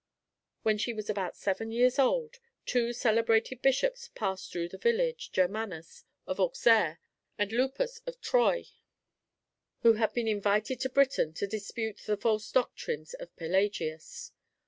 When she was about seven years old, two celebrated bishops passed through the village, Germanus, of Auxerre, and Lupus, of Troyes, who had been invited to Britain to dispute the false doctrines of Pelagius.